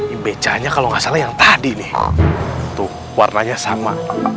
ini becanya kalau nggak salah yang tadi nih tuh warnanya sama